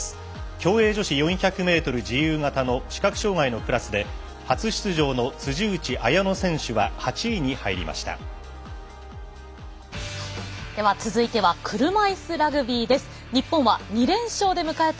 競泳女子４００ｍ自由形の視覚障がいのクラスで初出場の辻内彩野選手は８位に入りました。